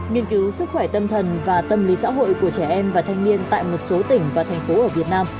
nghiên cứu sức khỏe tâm thần và tâm lý xã hội của trẻ em và thanh niên tại một số tỉnh và thành phố ở việt nam